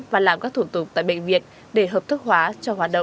và làm các thủ tục tại bệnh viện để hợp thức hóa cho hoàn toàn